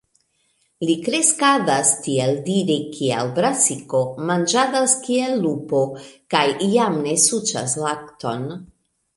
Li kreskadas tieldire kiel brasiko, manĝadas kiel lupo, kaj jam ne suĉas lakton.